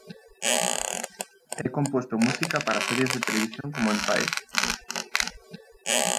Ha compuesto música para series de televisión como "Empire".